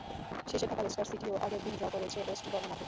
শীর্ষে থাকা লেস্টার সিটিও আগের দিন ড্র করেছে ওয়েস্ট ব্রমের মাঠে।